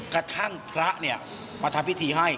กระทั่งพระมาทำพิธีให้